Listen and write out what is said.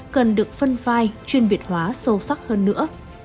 cần được phân vai chuyên biệt hóa sâu sắc hơn nữa